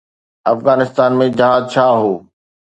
افغانستان ۾ جهاد ڇا هو؟